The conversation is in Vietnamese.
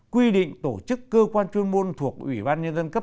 quy định tổ chức cơ quan chuyên môn thuộc ủy ban nhân dân cấp